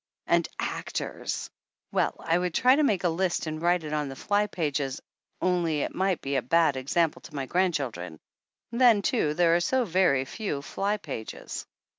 And actors! Well, I would try to make a list and write it on the fly pages, only it might be a bad example to my grandchildren ; then, too, there are so very few fly pages.